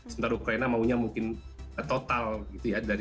sementara ukraina maunya mungkin total gitu ya